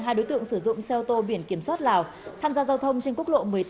hai đối tượng sử dụng xe ô tô biển kiểm soát lào tham gia giao thông trên quốc lộ một mươi tám